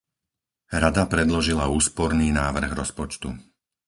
Rada predložila úsporný návrh rozpočtu.